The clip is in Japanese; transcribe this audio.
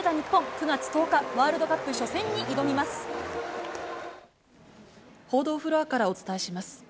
９月１０日、ワールドカップ初戦報道フロアからお伝えします。